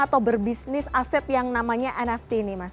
atau berbisnis aset yang namanya nft ini mas